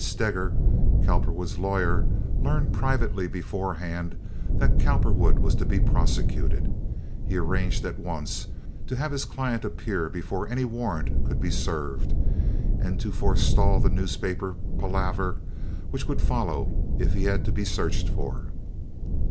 Steger, Cowperwood's lawyer, learned privately beforehand that Cowperwood was to be prosecuted. He arranged at once to have his client appear before any warrant could be served, and to forestall the newspaper palaver which would follow it if he had to be searched for.